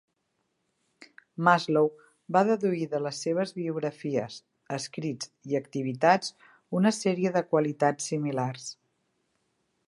Maslow va deduir de les seves biografies, escrits i activitats una sèrie de qualitats similars.